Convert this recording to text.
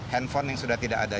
handphone yang sudah tidak ada